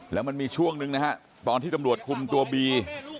แล้วมันมีช่วงหนึ่งนะฮะตอนที่ตำรวจคุมตัวบี